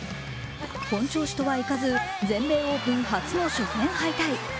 本調子とはいかず、全米オープン初の初戦敗退。